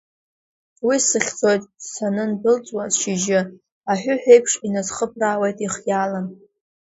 Уи сыхьӡоит, санындәылҵуа шьыжьы, аҳәыҳә еиԥш, инасхыԥраауеит ихиаалан…